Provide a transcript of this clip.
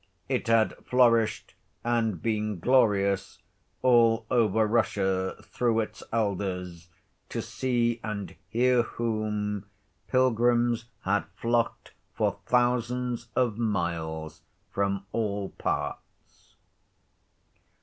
It had flourished and been glorious all over Russia through its elders, to see and hear whom pilgrims had flocked for thousands of miles from all parts.